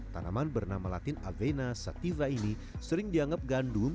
tanaman bernama latin avena sativa ini sering dianggap gandum